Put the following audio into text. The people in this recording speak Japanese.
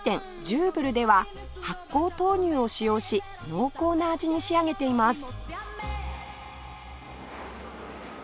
ジューブルでは発酵豆乳を使用し濃厚な味に仕上げています